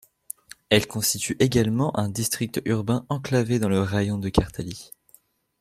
Elle constitue également un district urbain enclavé dans le raïon de Kartaly.